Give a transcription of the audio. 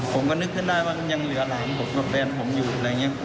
ผมก็นึกได้ว่ายังเหลือหลานพวกแฟนผมอยู่